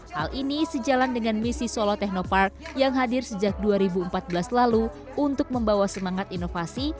hal ini sejalan dengan misi solo technopark yang hadir sejak dua ribu empat belas lalu untuk membawa semangat inovasi